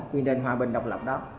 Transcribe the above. quyền đền hòa bình độc lập đó